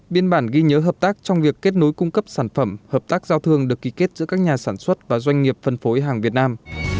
biên bản ghi nhớ hợp tác trong việc kết nối cung cấp sản phẩm hợp tác giao thương được ký kết giữa các nhà sản xuất và doanh nghiệp phân phối hàng việt nam